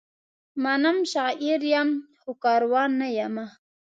منم، شاعر یم؛ خو کاروان نه یمه